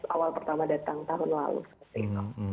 awal pertama datang tahun lalu